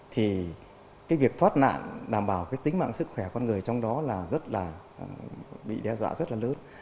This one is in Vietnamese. thì việc thoát nạn đảm bảo tính mạng sức khỏe con người trong đó bị đe dọa rất lớn